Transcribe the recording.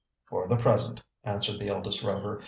"For the present," answered the eldest Rover.